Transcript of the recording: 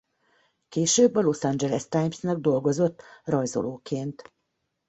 Később a Los Angeles Timesnak dolgozott rajzolóként.